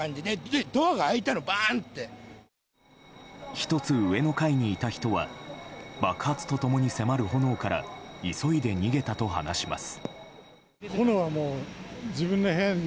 １つ上の階にいた人は爆発と共に迫る炎から急いで逃げたと話します。